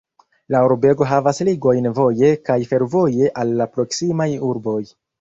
La urbego havas ligojn voje kaj fervoje al la proksimaj urboj.